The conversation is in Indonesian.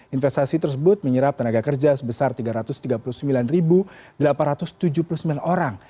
investasi tersebut menyerap tenaga kerja sebesar tiga ratus tiga puluh sembilan delapan ratus tujuh puluh sembilan orang